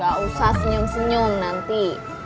gak usah senyum senyum nanti